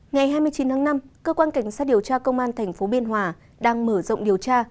ngày hai mươi chín tháng năm cơ quan cảnh sát điều tra công an tp biên hòa đang mở rộng điều tra